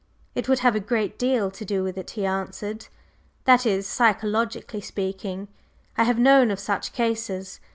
"It would have a great deal to do with it," he answered, "that is, psychologically speaking. I have known of such cases.